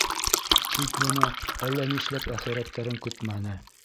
Тик бына әллә нишләп әхирәттәрен көтмәне.